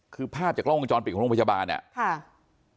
คือภาพจากล้องกระจอนปิดของโรงพยาบาลเนี่ย